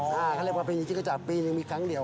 เขาเรียกเป็นพิมพิธีก็จัดปีหนึ่งมีครั้งเดียว